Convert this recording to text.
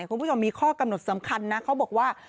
คุณผู้ชมมีข้อกำหนดสำคัญนะเขาบอกว่า